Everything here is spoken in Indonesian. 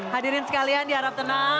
hadirin sekalian di harap tenang